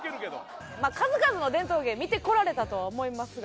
数々の伝統芸見てこられたとは思いますが。